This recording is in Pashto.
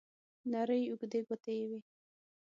نرۍ اوږدې ګوتې یې وې.